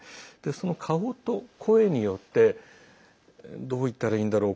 その顔と声によってどう言ったらいいんだろう。